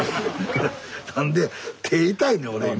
何で手痛いねん俺今。